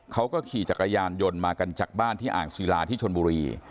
เขาก็ขี่จักรยานยนต์มากันจากบ้านที่อ่างศิลาที่ชนบุรี